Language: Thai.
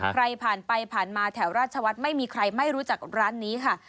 ใครผ่านไปผ่านมาแถวราชวัฒน์ไม่มีใครไม่รู้จักร้านนี้ค่ะ